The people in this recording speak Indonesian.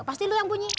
pasti lu yang bunyi